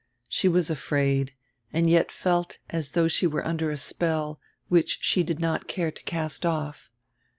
She was afraid, and yet felt as diough she were under a spell, which she did not care to cast off.